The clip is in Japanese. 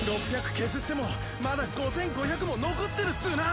削ってもまだ５５００も残ってるっツーナ！